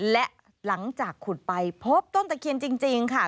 และหลังจากขุดไปพบต้นตะเคียนจริงค่ะ